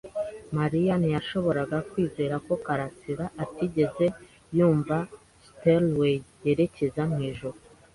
Mariya ntiyashoboraga kwizera ko karasira atigeze yumva Stairway yerekeza mwijuru.